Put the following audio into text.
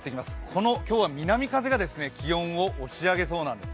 この今日は南風が気温を押し上げそうなんです。